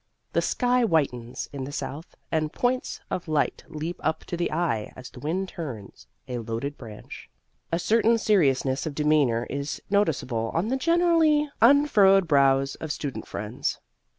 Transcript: The sky whitens in the south and points of light leap up to the eye as the wind turns a loaded branch. A certain seriousness of demeanour is noticeable on the generally unfurrowed brows of student friends.